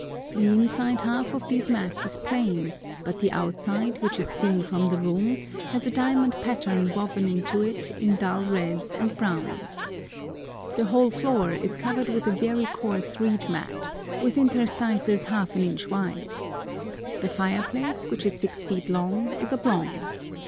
The inside half of these mats is plain, but the outside, which is seen from the room, has a diamond pattern woven into it in dull reds and browns. The whole floor is covered with a very coarse reed mat, with interstices half an inch wide. The fireplace, which is six feet long, is oblong.